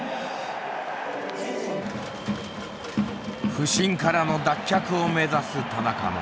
不振からの脱却を目指す田中も。